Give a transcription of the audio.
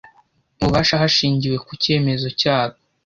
ububasha hashingiwe ku cyemezo cyarwo